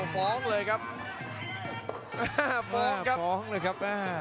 ฟ้องเลยครับอ่าฟ้องครับฟ้องเลยครับ